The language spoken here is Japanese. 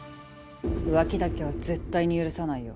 浮気だけは絶対に許さないよ。